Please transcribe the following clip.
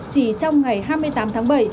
chỉ trong ngày hai mươi tám tháng bảy